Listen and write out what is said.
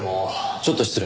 ちょっと失礼。